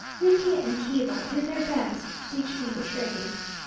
Wiki and Kiva did their best to teach me the trade.